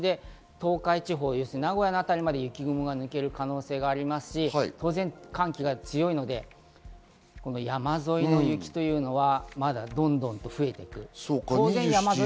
東海地方、名古屋の辺りまで雪雲が抜ける可能性がありますし、寒気が強いので山沿いの雪というのは、まだどんどんと増えてくる。